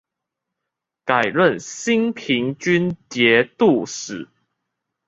改任兴平军节度使。